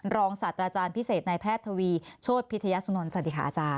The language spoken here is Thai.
รองศัตริย์อาจารย์พิเศษในแพทย์ทวีโชชพิธยสนลสวัสดีค่ะอาจารย์